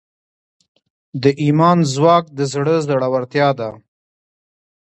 د ایمان ځواک د زړه زړورتیا ده.